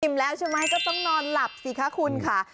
แล้วใช่ไหมก็ต้องนอนหลับสิคะคุณค่ะ